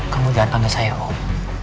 kamu jangan panggil saya om